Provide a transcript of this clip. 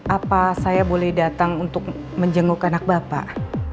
apa saya boleh datang untuk menjenguk anak bapak